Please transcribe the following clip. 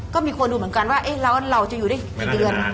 ก็มีคนดูเหมือนกันว่าเอ๊ะแล้วเราจะอยู่ได้กี่เดือน